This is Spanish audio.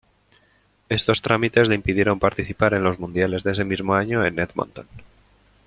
Estos trámites le impidieron participar en los Mundiales de ese mismo año en Edmonton.